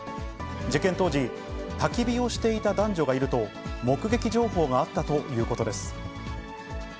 事件当時、たき火をしていた男女がいると、目撃情報があったということです。